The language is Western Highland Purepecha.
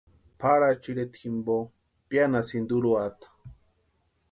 Pʼarachu ireta jimpo pianhasïnti urhuata.